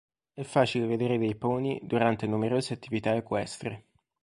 È facile vedere dei pony durante numerose attività equestri.